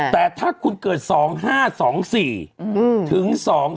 แต่ถ้าคุณเกิด๒๕๒๔ถึง๒๕๖